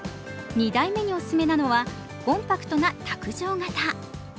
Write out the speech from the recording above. ２台目にお勧めなのはコンパクトな卓上型。